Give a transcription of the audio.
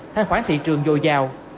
than khoán thị trường dồi dào